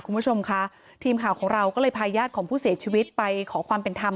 คุณผู้ชมค่ะทีมข่าวของเราก็เลยพาญาติของผู้เสียชีวิตไปขอความเป็นธรรม